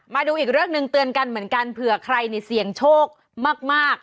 มาดูอีกเรื่องหนึ่งเตือนกันเหมือนกันเผื่อใครเสี่ยงโชคมาก